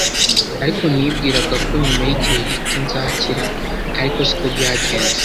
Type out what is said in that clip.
ariko nibwiraga ko nyuma y’igihe gito nzakira ariko siko byagenze